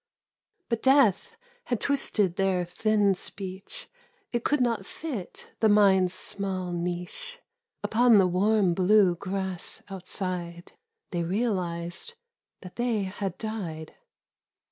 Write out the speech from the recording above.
48 But death had twisted their thin speech It could not fit the mind's small niche,— Upon the warm blue grass outside, They realised that they had died.